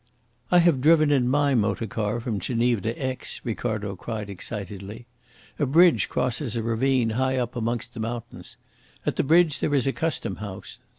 "I have driven in my motor car from Geneva to Aix," Ricardo cried excitedly. "A bridge crosses a ravine high up amongst the mountains. At the bridge there is a Custom House.